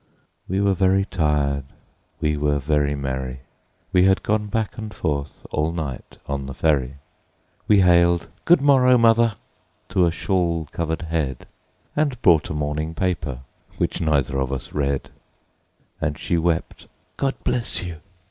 We were very tired, we were very merry, We had gone back and forth all night on the ferry, We hailed "Good morrow, mother!" to a shawl covered head, And bought a morning paper, which neither of us read; And she wept, "God bless you!"